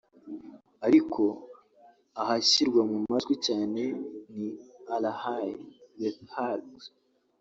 Ariko ahashyirwa mu majwi cyane ni i La Haye (The Hague)